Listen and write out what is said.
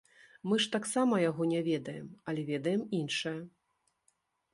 Мы ж таксама яго не ведаем, але ведаем іншае.